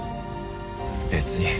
別に。